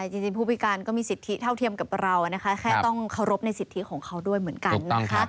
จริงผู้พิการก็มีสิทธิเท่าเทียมกับเรานะคะแค่ต้องเคารพในสิทธิของเขาด้วยเหมือนกันนะคะ